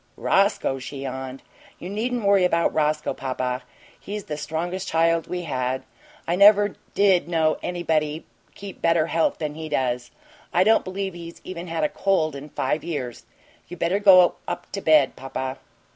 "Roscoe?" she yawned. "You needn't worry about Roscoe, papa. He's the strongest child we had. I never did know anybody keep better health than he does. I don't believe he's even had a cold in five years. You better go up to bed, papa."